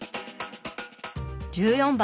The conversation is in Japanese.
１４番。